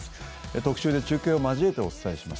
特集で中継を交えてお伝えします。